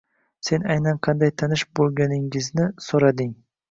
Sen aynan qanday tanish bo‘lganingizni so‘rading.